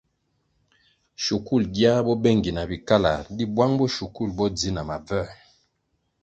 Shukul gia bo bengi na bikalar di bwang bo shukul bo dzi na mabvoē.